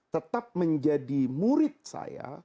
tetap menjadi murid saya